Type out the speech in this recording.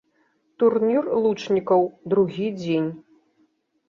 Турнір лучнікаў, другі дзень.